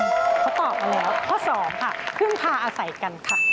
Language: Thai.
เขาตอบมาแล้วข้อ๒ค่ะพึ่งพาอาศัยกันค่ะ